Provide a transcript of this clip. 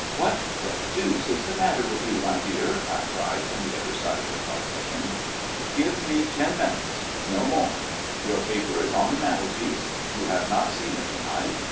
"What the deuce is the matter with you, my dear?" I cried from the other side of the partition. "Give me ten minutes, no more. Your paper is on the mantel piece; you have not seen it to night.